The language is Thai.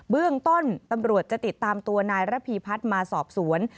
เรื่องต้นตำรวจจะติดตามตัวนายระพีพัฒน์มาสอบสวน